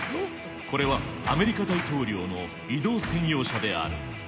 これはアメリカ大統領の移動専用車である。